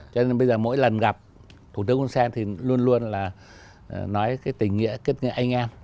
cho nên bây giờ mỗi lần gặp thủ tướng hun sen thì luôn luôn là nói cái tình nghĩa kết nghĩa anh em